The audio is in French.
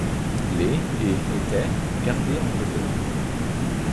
Les et étaient gardées en réserve.